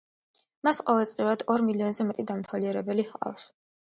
მას ყოველწლიურად ორ მილიონზე მეტი დამთვალიერებელი ჰყავს.